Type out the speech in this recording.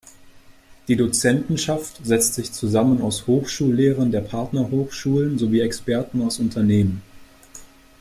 Die Dozentenschaft setzt sich zusammen aus Hochschullehrern der Partnerhochschulen sowie Experten aus Unternehmen.